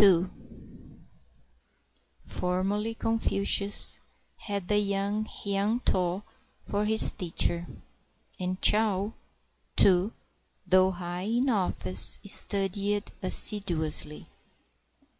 II Formerly Confucius had the young Hiang Toh for his teacher; And Chau, too, though high in oflfice, studied assiduously.